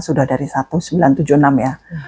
sudah dari satu sembilan ratus tujuh puluh enam ya